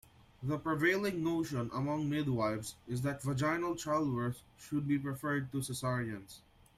The prevailing notion among midwifes is that vaginal childbirths should be preferred to cesareans.